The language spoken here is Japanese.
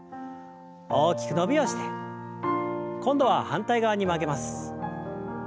大きく伸びをして今度は反対側に曲げます。